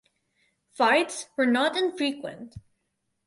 Fights were not infrequent.